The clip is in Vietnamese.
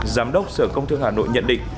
giám đốc sở công thương hà nội nhận định